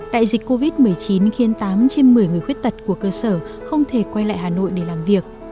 đại dịch covid một mươi chín khiến tám trên một mươi người khuyết tật của cơ sở không thể quay lại hà nội để làm việc